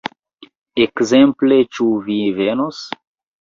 Ekzemple "Ĉu vi venos?